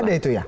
ada itu ya